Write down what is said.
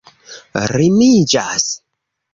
rimiĝas